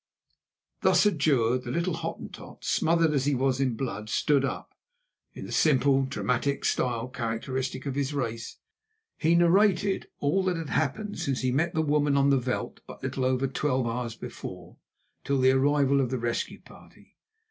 Thus adjured, the little Hottentot, smothered as he was in blood, stood up. In the simple, dramatic style characteristic of his race, he narrated all that had happened since he met the woman on the veld but little over twelve hours before, till the arrival of the rescue party.